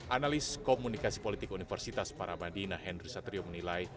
analis komunikasi politik universitas paramadina henry satrio menilai